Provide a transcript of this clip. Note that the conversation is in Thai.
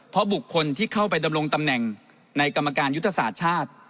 เพราะบุคคลที่เข้าไปดำรงตำแหน่งในกรรมการยุทธศาสตร์ชาติ